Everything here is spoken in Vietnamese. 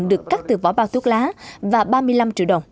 được cắt từ vỏ bao thuốc lá và ba mươi năm triệu đồng